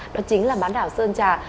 đó chính là bán đảo sơn trà